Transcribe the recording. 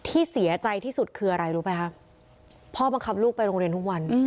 ที่เสียใจที่สุดคืออะไรรู้ไหมคะพ่อบังคับลูกไปโรงเรียนทุกวัน